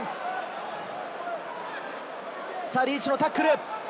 リーチのタックル！